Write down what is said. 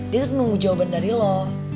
dia nunggu jawaban dari lo